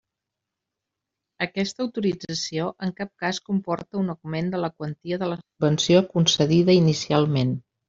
Aquesta autorització en cap cas comporta un augment en la quantia de la subvenció concedida inicialment.